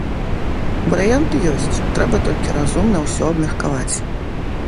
Варыянты ёсць, трэба толькі разумна ўсё абмеркаваць.